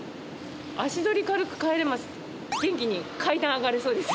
足取り軽く帰れます。